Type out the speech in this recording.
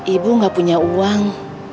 ibu gak punya uang